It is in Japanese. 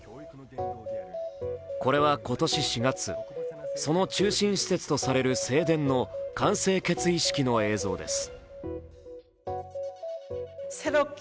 これは今年４月、その中心施設とされる聖殿の完成決意式の映像です。